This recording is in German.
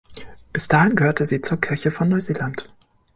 Bis dahin gehörte sie zur Kirche von Neuseeland.